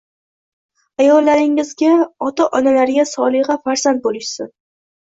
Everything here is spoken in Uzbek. Ayollaringizga ota - onalariga soliha farzand boʻlishsin